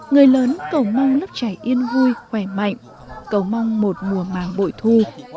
người lớn cầu mong lớp trẻ yên vui khỏe mạnh cầu mong một mùa màng bội thu